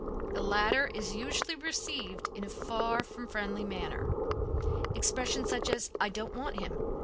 The latter is usually received in a far from friendly manner. Expressions such as "I don't want him!